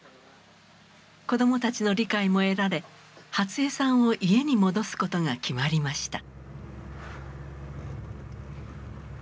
子供たちの理解も得られ初江さんを家に戻すことが決まりました。